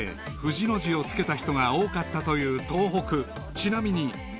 ［ちなみに］